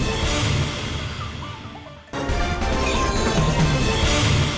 masih akan segera kembali